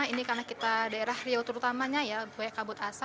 ini karena kita daerah riau terutamanya ya kabut asap